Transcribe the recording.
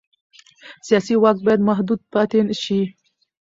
سیاسي واک باید محدود پاتې شي